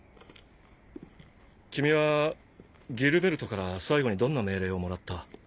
君はギルベルトから最後にどんな命令をもらった？